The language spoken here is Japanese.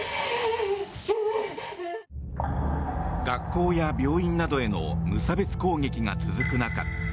学校や病院などへの無差別攻撃が続く中